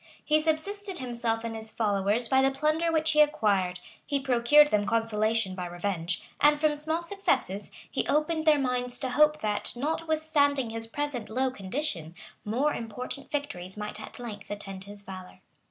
He subsisted himself and his followers by the plunder which he acquired; he procured them consolation by revenge; and from small successes, he opened their minds to hope that, notwithstanding his present low condition, more important victories might at length attend his valor.